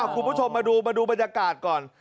คุณผู้ชมมาดูมาดูบรรยากาศก่อน